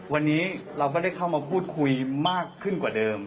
วันนี้เราก็ได้เข้ามาพูดคุยมากขึ้นกว่าเดิม